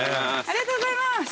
ありがとうございます。